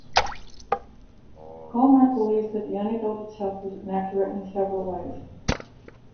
Goldmark believes that the anecdote itself was inaccurate in several ways.